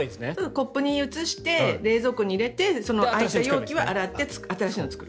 コップに移して冷蔵庫に入れて空いた容器は洗って新しいのを作る。